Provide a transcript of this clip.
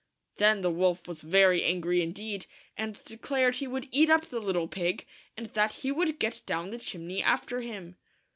Then the wolf was very angry indeed, and declared he would eat up the little pig, and that he would get down the chimney after him.